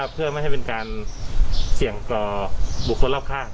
เพื่อไม่ให้เป็นการเสี่ยงต่อบุคคลรอบข้าง